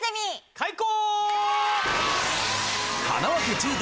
開講！